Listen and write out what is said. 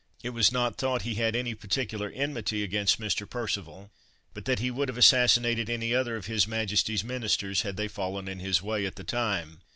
It was not thought he had any particular enmity against Mr. Percival, but that he would have assassinated any other of His Majesty's Ministers had they fallen in his way at the time.